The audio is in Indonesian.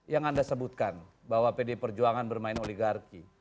yang anda sebutkan bahwa pdi perjuangan bermain oligarki